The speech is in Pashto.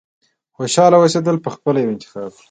• خوشحاله اوسېدل پخپله یو انتخاب دی.